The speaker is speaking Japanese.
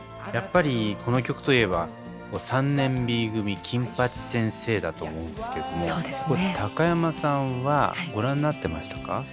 やっぱりこの曲といえば「３年Ｂ組金八先生」だと思うんですけども高山さんはご覧になってましたか？